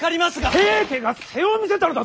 平家が背を見せたのだぞ！